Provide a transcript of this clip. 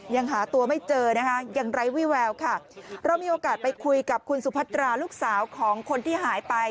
ยังหาตัวไม่เจอนะคะยังไร้วิแววค่ะเรามีโอกาสไปคุยกับคุณสุพัตราลูกสาวของคนที่หายไป